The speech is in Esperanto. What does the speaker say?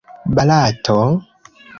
Barato?